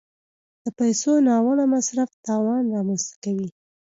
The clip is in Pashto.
د پیسو ناوړه مصرف تاوان رامنځته کوي.